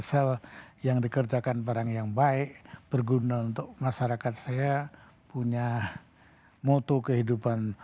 sel yang dikerjakan barang yang baik berguna untuk masyarakat saya punya moto kehidupan